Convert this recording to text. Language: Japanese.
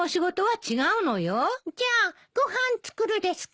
じゃあご飯作るですか？